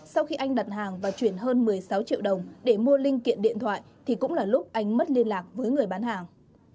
sau khi anh đặt hàng và chuyển hơn một mươi sáu triệu đồng để mua linh kiện điện thoại thì cũng là lúc anh mất liên lạc với người bán hàng